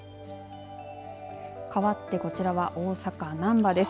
かわってこちらは大阪、なんばです。